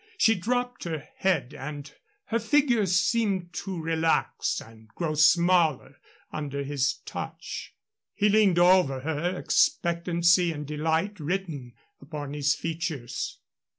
She dropped her head and her figure seemed to relax and grow smaller under his touch. He leaned over her, expectancy and delight written upon his features.